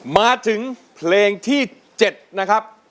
มาถึงเพลงที่๗นะครับ